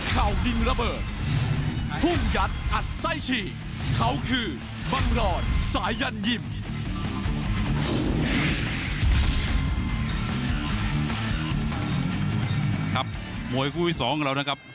ครับมวยคู่ที่สองของเรานะครับ